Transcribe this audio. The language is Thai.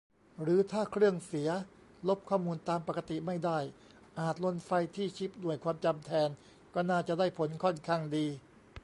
หรือถ้าเครื่องเสีย ลบข้อมูลตามปกติไม่ได้อาจ "ลนไฟ" ที่ชิปหน่วยความจำแทน ก็น่าจะได้ผลค่อนข้างดี